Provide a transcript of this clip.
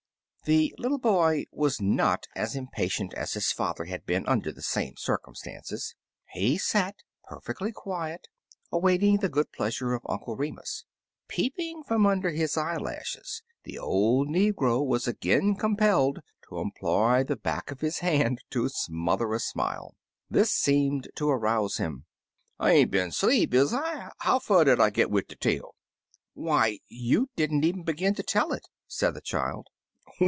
The little boy was not as impatient as his father had been under the same circum stances. He sat perfectly quiet, awaiting the good pleasure of Uncle Remus. Peep ing from under his eyelashes, the old negro was again compelled to employ the back 31 Uncle Remus Returns ofhis hand to smother a smile. This seemed to arouse him. " I ain't been 'sleep, is I ? How fur did I git wid de tale?'* "Why, you did n't even begin to tell it," said the child.